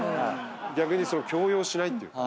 逆にそれ強要しないっていうか。